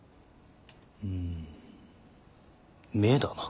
うん目だな。